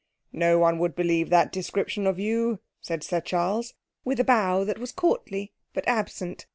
'No one would believe that description of you,' said Sir Charles, with a bow that was courtly but absent.